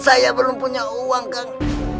saya belum punya uang kang